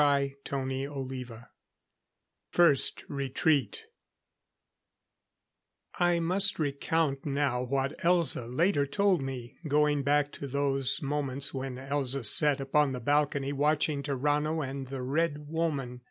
CHAPTER XXIII First Retreat I must recount now what Elza later told me, going back to those moments when Elza sat upon the balcony watching Tarrano and the Red Woman.